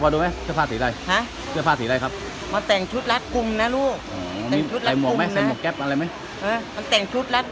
ประตูประตูนี้อะเอาลงทางล่างนี้ประตูกลาง